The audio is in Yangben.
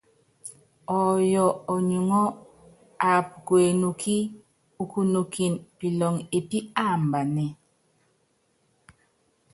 Ɔyɔ ɔnyuŋɔ́ aap ku enukí ukunɔkɛn pilɔŋ epí aambanɛ.